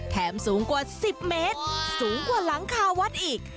สูงกว่า๑๐เมตรสูงกว่าหลังคาวัดอีก